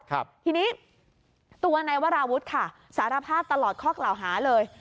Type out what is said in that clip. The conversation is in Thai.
ทีนี้ตัวนายวราวุฒิค่ะสารภาพตลอดข้อกล่าวหาเลย